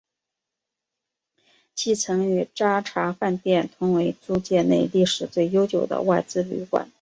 其曾与礼查饭店同为租界内历史最悠久的外资旅馆。